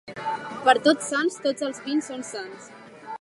Per Tots Sants tots els vins són sans.